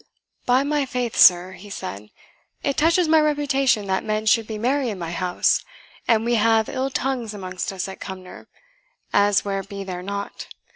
"By my faith, sir," he said, "it touches my reputation that men should be merry in my house; and we have ill tongues amongst us at Cumnor (as where be there not?)